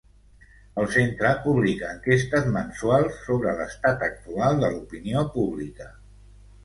El centre publica enquestes mensuals sobre l'estat actual de l'opinió pública.